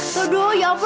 todo ya ampun